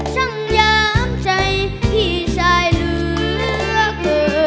สัญญาใจที่ชายเหลือเกิน